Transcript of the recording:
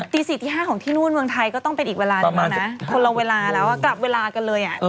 ตี๔ตี๕ของที่นู่นเมืองไทยก็ต้องเป็นอีกเวลานึงแล้วนะคนละเวลาแล้วกลับเวลากันเลย